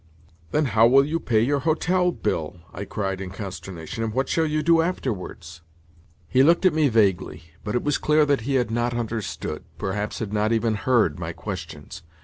"Then how will you pay your hotel bill?" I cried in consternation. "And what shall you do afterwards?" He looked at me vaguely, but it was clear that he had not understood—perhaps had not even heard—my questions.